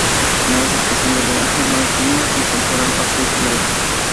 Una vez empezado el rodaje, Val Kilmer improvisó gran parte de su diálogo.